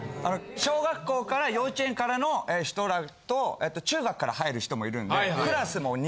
小学校から幼稚園からの人らと中学から入る人もいるんで。